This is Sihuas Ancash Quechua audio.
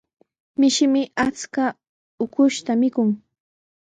Mishimi achka ukushta mikun.